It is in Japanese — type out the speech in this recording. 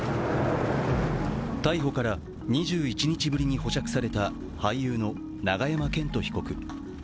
逮捕から２１日ぶりに保釈された俳優の永山絢斗被告。